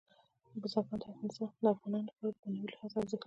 بزګان د افغانانو لپاره په معنوي لحاظ ارزښت لري.